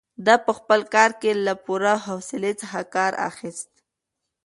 ده په خپل کار کې له پوره حوصلې څخه کار اخیست.